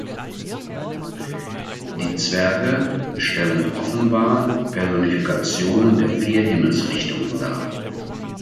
Die Zwerge stellen offenbar Personifikationen der vier Himmelsrichtungen dar.